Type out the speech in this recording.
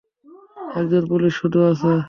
একজন পুলিশ শুধু আছে!